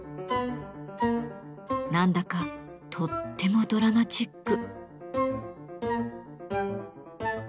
何だかとってもドラマチック。